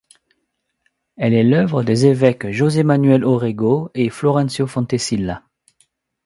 Elle est l’œuvre des évêques José Manuel Orrego et Florencio Fontecilla.